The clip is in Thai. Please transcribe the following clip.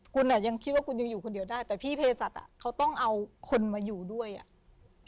คุณอ่ะยังคิดว่าคุณยังอยู่คนเดียวได้แต่พี่เพศัตว์อ่ะเขาต้องเอาคนมาอยู่ด้วยอ่ะ